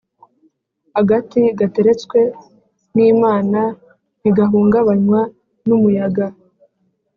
Agati gateretswe n’Imana ntigahungabanywa n’umuyaga.